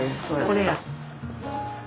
これや。